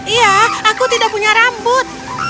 iya aku tidak punya rambut